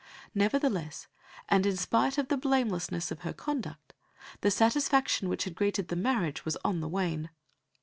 Nevertheless, and in spite of the blamelessness of her conduct, the satisfaction which had greeted the marriage was on the wane.